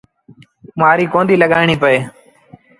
مآريٚ ڪونديٚ لڳآڻيٚ پئي۔